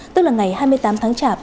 tức là ngày hai mươi tám tháng chạp